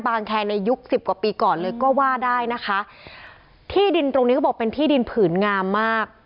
แคร์ในยุคสิบกว่าปีก่อนเลยก็ว่าได้นะคะที่ดินตรงนี้ก็บอกเป็นที่ดินผืนงามมาก